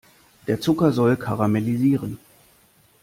Der Zucker soll karamellisieren.